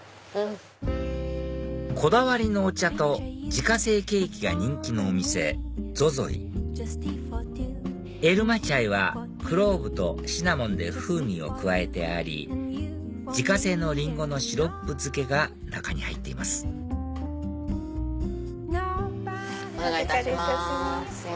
こだわりのお茶と自家製ケーキが人気のお店ｚｏｚｏエルマチャイはクローブとシナモンで風味を加えてあり自家製のリンゴのシロップ漬けが中に入っていますお願いいたします。